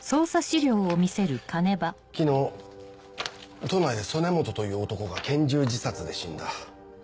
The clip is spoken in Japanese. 昨日都内で曽根本という男が拳銃自殺で死んだ。